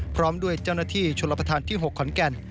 พร้อมด้วยเจ้าหน้าที่ชนรับประทานที่๖ขอนแก่น